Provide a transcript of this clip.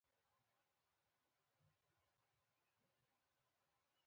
جنګ د ټولنې له پرمختګ څخه ځنډوي.